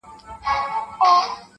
وږی پاته سو زخمي په زړه نتلی-